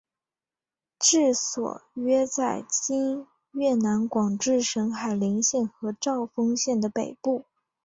治所约在今越南广治省海陵县和肇丰县的北部。